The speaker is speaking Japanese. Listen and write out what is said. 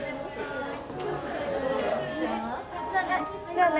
じゃあね。